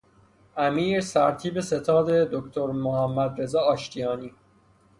امیر سرتیپ ستاد دکتر محمد رضا آشتیانی